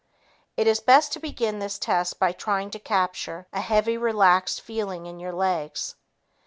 It is best to begin this test by trying to capture a heavy, relaxed feeling in your legs.